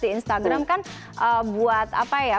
di instagram kan buat apa ya